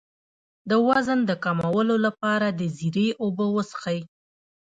د وزن د کمولو لپاره د زیرې اوبه وڅښئ